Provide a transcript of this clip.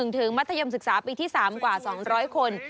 ถึงมัธยมศึกษาปีที่๓กว่า๒๐๐คน